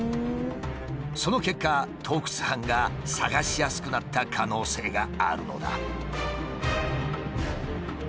その結果盗掘犯が探しやすくなった可能性があるのだ。